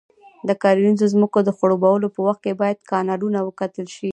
د کرنیزو ځمکو د خړوبولو په وخت کې باید کانالونه وکتل شي.